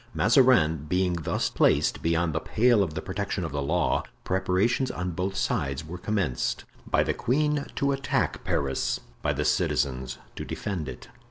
Mazarin being thus placed beyond the pale of the protection of the law, preparations on both sides were commenced—by the queen, to attack Paris, by the citizens, to defend it.